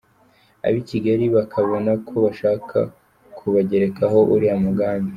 Abi Kigali bakabona ko bashaka kubagerekaho uriya mugambi.